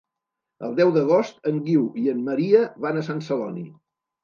El deu d'agost en Guiu i en Maria van a Sant Celoni.